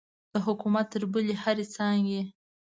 د حکومت تر بلې هرې څانګې.